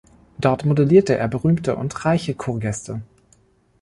Dort modellierte er berühmte und reiche Kurgäste.